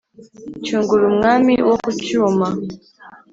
Cyungura umwami wo ku Cyuma